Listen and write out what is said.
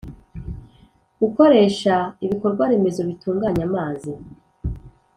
Ukoresha ibikorwaremezo bitunganya amazi